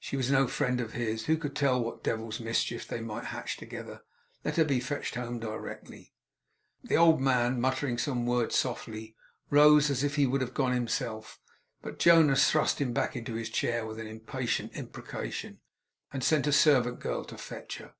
She was no friend of his. Who could tell what devil's mischief they might hatch together! Let her be fetched home directly. The old man, muttering some words softly, rose as if he would have gone himself, but Jonas thrust him back into his chair with an impatient imprecation, and sent a servant girl to fetch her.